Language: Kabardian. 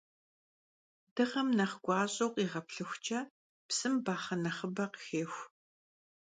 Dığem nexh guaş'eu khiğeplhıxuç'e, psım baxhe nexhıbe khıxêxu.